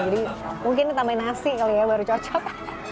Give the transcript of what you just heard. jadi mungkin ditambahin nasi kali ya baru cocok